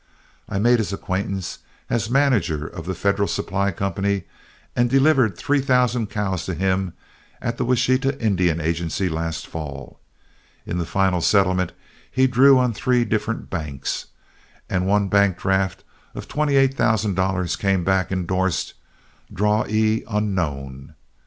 I made his acquaintance as manager of The Federal Supply Company, and delivered three thousand cows to him at the Washita Indian Agency last fall. In the final settlement, he drew on three different banks, and one draft of twenty eight thousand dollars came back, indorsed, DRAWEE UNKNOWN.